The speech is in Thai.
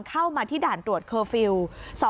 เข้ามาที่ด่านตรวจเคอร์ฟิลล์